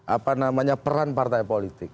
apa namanya peran partai politik